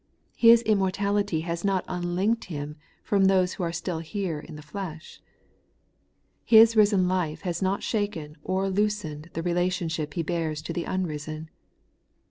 His immortality has not un linked Him from those who are still here in flesh. His risen life has not shaken or loosened the rela tionship He bears to the unrisen.